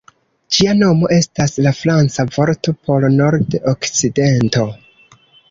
Ĝia nomo estas la franca vorto por "nord-okcidento".